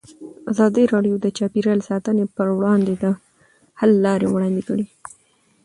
ازادي راډیو د چاپیریال ساتنه پر وړاندې د حل لارې وړاندې کړي.